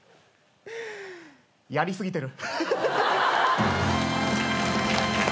やりすぎてる。